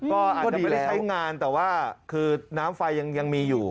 ก็อาจจะไม่ได้ใช้งานแต่ว่าคือน้ำไฟยังมีอยู่